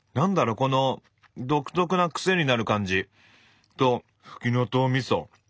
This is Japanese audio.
この独特な癖になる感じとふきのとうみそ。